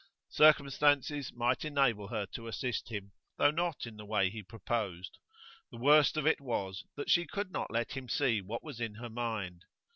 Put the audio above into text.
Circumstances might enable her to assist him, though not in the way he proposed. The worst of it was that she could not let him see what was in her mind.